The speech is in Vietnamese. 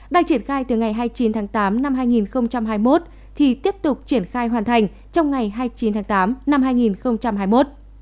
đang triển khai từ ngày hai mươi chín tháng tám năm hai nghìn hai mươi một thì tiếp tục triển khai hoàn thành trong ngày hai mươi chín tháng tám năm hai nghìn hai mươi một